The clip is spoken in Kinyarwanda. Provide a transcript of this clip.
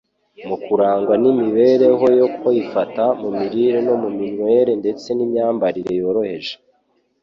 Mu kurangwa n'imibereho yo kwifata mu mirire no mu minywere ndetse n'imyambarire yoroheje